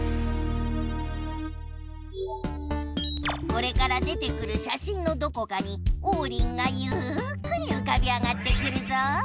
これから出てくる写真のどこかにオウリンがゆっくりうかび上がってくるぞ！